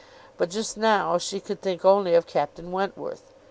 But just now she could think only of Captain Wentworth.